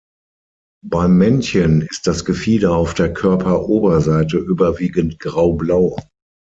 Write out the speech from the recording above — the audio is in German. Beim Männchen ist das Gefieder auf der Körperoberseite überwiegend graublau.